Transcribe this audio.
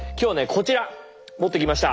こちら持ってきました！